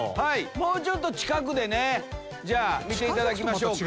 もうちょっと近くでね見ていただきましょう。